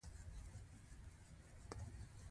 سویلي کوریا هم په همدې ډله کې شامل دی.